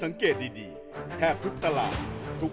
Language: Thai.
คิกคิกคิกคิกคิกคิกคิกคิก